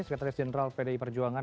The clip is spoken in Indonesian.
sekretaris jenderal pdi perjuangan